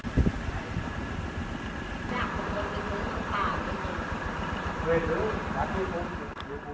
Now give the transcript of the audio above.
แล้วควรเข้าไปอ่ะ